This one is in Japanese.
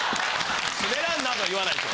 すべらんなぁとは言わないでしょ。